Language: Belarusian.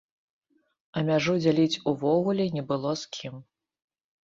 А мяжу дзяліць увогуле не было з кім.